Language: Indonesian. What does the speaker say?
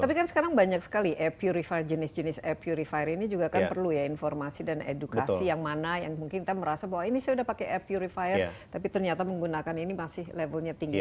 tapi kan sekarang banyak sekali air purifier jenis jenis air purifier ini juga kan perlu ya informasi dan edukasi yang mana yang mungkin kita merasa bahwa ini saya sudah pakai air purifier tapi ternyata menggunakan ini masih levelnya tinggi